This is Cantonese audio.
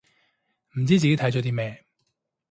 唔知自己睇咗啲咩